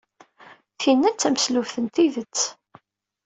Tinna d tameslubt n tidet!